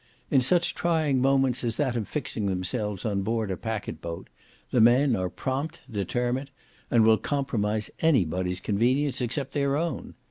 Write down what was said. In such trying moments as that of fixing themselves on board a packet boat, the men are prompt, determined, and will compromise any body's convenience, except their own.